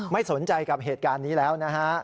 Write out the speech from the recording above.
ไม่สนใจกับเหตุการณ์นี้แล้วนะฮะ